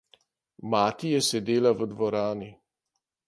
Mati je sedela v dvorani.